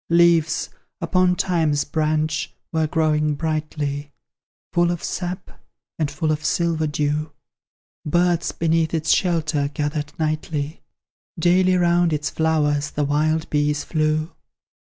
Leaves, upon Time's branch, were growing brightly, Full of sap, and full of silver dew; Birds beneath its shelter gathered nightly; Daily round its flowers the wild bees flew.